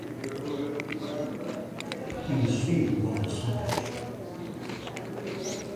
He was feeling rather savage.